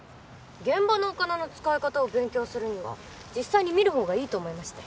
現場のお金の使い方を勉強するには実際に見るほうがいいと思いまして。